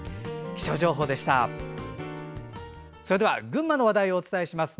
気象情報でした。